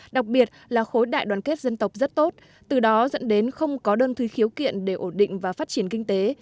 đặc biệt là khối đại đoàn kết dân tộc rất tốt từ đó dẫn đến không có đơn thư khiếu kiện để ổn định và phát triển kinh tế